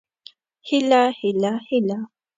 هيله هيله هيله